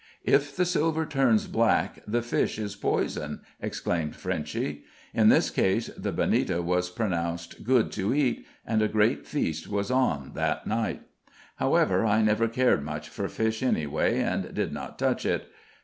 "If the silver turns black the fish is poison," explained Frenchy. In this case the bonita was pronounced "good to eat," and a great feast was on that night; however, I never cared much for fish anyway and did not touch it.